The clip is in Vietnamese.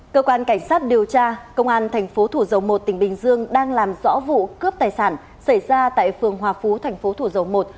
cơ quan cảnh sát điều tra công an tp thủ dầu một tỉnh bình dương đang làm rõ vụ cướp tài sản xảy ra tại phường hòa phú tp thủ dầu một